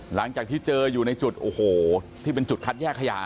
หลังจากที่เจออยู่ในจุดโอ้โหที่เป็นจุดคัดแยกขยะ